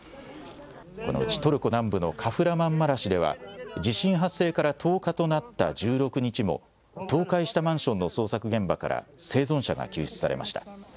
このうち、トルコ南部のカフラマンマラシュでは、地震発生から１０日となった１６日も、倒壊したマンションの捜索現場から、生存者が救出されました。